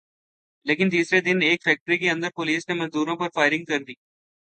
لیکن تیسرے دن ایک فیکٹری کے اندر پولیس نے مزدوروں پر فائرنگ کر دی